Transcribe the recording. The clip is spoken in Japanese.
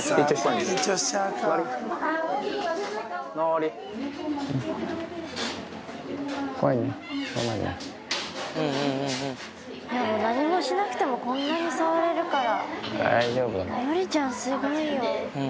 でも何もしなくてもこんなに触れるから。